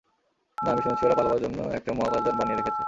না, আমি শুনেছি ওরা পালাবার জন্য একটা মহাকাশযান বানিয়ে রেখেছে!